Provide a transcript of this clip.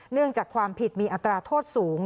จากความผิดมีอัตราโทษสูง